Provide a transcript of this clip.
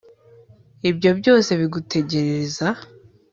Ibyo byose bigutegerereza